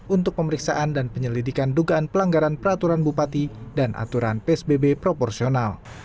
untuk pemeriksaan dan penyelidikan dugaan pelanggaran peraturan bupati dan aturan psbb proporsional